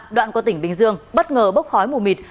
đoạn qua tỉnh bình dương bất ngờ bốc khói mù mịt